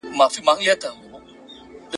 ایله پوه سو په خپل عقل غولیدلی `